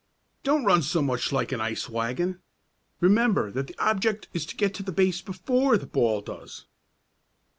Don't run so much like an ice wagon. Remember that the object is to get to the base before the ball does!"